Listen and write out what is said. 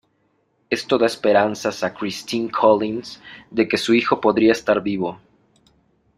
Esto da esperanzas a Christine Collins de que su hijo podría estar vivo.